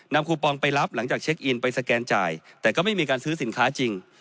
คูปองไปรับหลังจากเช็คอินไปสแกนจ่ายแต่ก็ไม่มีการซื้อสินค้าจริง